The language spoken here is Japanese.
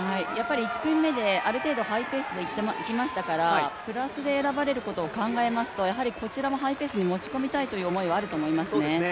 １組目である程度ハイペースでいきましたからプラスで選ばれることを考えますと、こちらもハイペースに持ち込みたいという思いがあると思いますね。